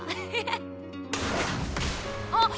あっ！